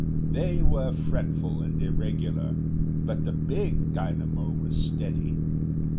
They were fretful and irregular, but the big dynamo was steady.